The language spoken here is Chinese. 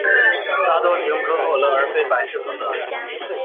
大多使用可口可乐而非百事可乐。